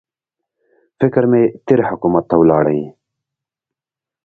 فکر مې تېر حکومت ته ولاړی.